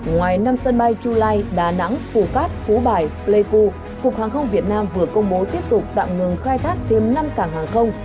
ngoài năm sân bay chu lai đà nẵng phù cát phú bài pleiku cục hàng không việt nam vừa công bố tiếp tục tạm ngừng khai thác thêm năm cảng hàng không